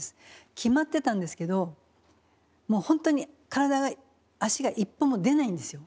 決まってたんですけどもうほんとに体が足が一歩も出ないんですよ。